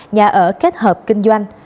nhà ở kết hợp kinh doanh